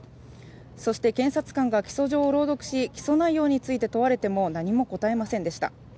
そして、検察官が起訴状を朗読し起訴内容について問われても何も答えませんでした。